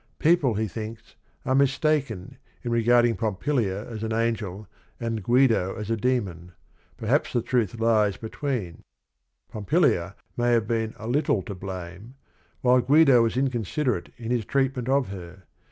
People, he thin ks, are m is take n in regarding PompTIia as an an gel and Gui do as a demon: pg3J3p q ^ tr "tl i lies^b e tweeih, Pompilia may have been a little to blame, while Guido was inconsiderate in his treatment of her.